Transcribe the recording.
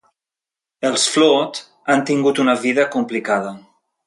Els Flood han tingut una vida complicada.